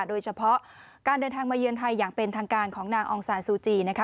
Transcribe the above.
โดยเฉพาะการเดินทางมาเยือนไทยอย่างเป็นทางการของนางองซานซูจีนะคะ